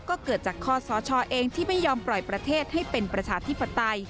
ก็เกิดจากข้อสชเองที่ไม่ยอมปล่อยประเทศให้เป็นประชาธิปไตย